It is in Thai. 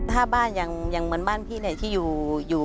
ถ้าบ้านอย่างเหมือนบ้านพี่ที่อยู่